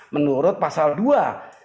menurut pasal dua